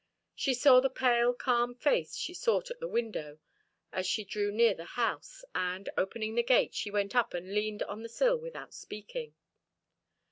She saw the pale, calm face she sought at the window as she drew near the house, and, opening the gate, she went up and leaned on the sill without speaking.